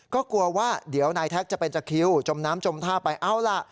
ก็กลัวว่าเดี๋ยวนายแท็กจะเป็นจะคิวจมน้ำจมท่าไปเอาล่ะ